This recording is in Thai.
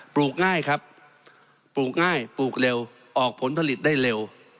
ลูกง่ายครับปลูกง่ายปลูกเร็วออกผลผลิตได้เร็ว